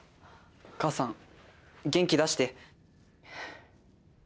母さん元気出して。